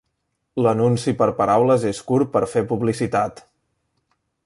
L'anunci per paraules és curt per fer publicitat.